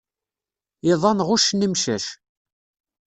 iḍan ɣuccen imcac.